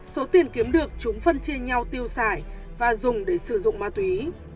số tiền kiếm được chúng phân chia nhau tiêu xài và dùng để sử dụng ma túy